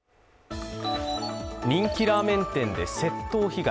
人気ラーメン店で窃盗被害。